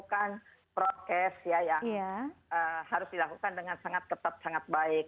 melakukan protes yang harus dilakukan dengan sangat ketat sangat baik